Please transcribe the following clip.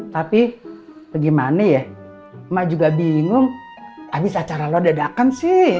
tapi gimana ya emak juga bingung abis acara lo dadakan sih